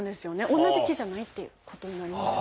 同じ毛じゃないっていうことになります。